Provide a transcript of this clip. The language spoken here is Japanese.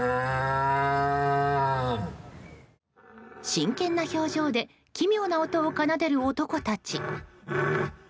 真剣な表情で奇妙な音を奏でる男たち。